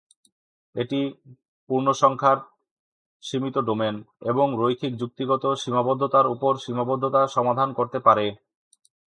এটি পূর্ণসংখ্যার সীমিত ডোমেন এবং রৈখিক যুক্তিগত সীমাবদ্ধতার উপর সীমাবদ্ধতা সমাধান করতে পারে।